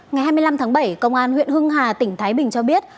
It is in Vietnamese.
ngày hai mươi năm tháng bảy công an huyện hưng hà tỉnh thái bình cho biết